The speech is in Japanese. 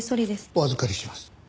お預かりします。